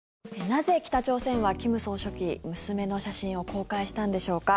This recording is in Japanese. なぜ、北朝鮮は金総書記、娘の写真を公開したんでしょうか。